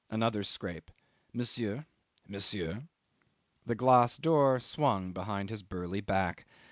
Another scrape. "Monsieur" ... "Monsieur." ... The glass door swung behind his burly back.